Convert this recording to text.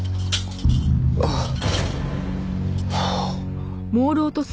ああ。